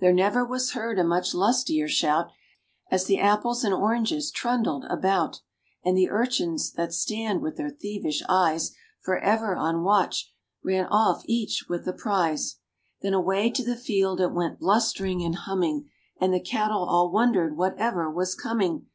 There never was heard a much lustier shout, As the apples and oranges trundled about; And the urchins, that stand with their thievish eyes For ever on watch, ran off each with a prize. Then away to the field it went blustering and humming, And the cattle all wondered whatever was coming.